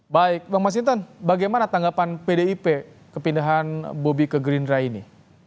baik bang mas hinton bagaimana tanggapan pdip kepindahan bobi ke gerindra ini